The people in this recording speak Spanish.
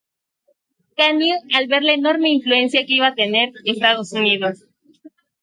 Keynes al ver la enorme influencia que iba a tener Estados Unidos.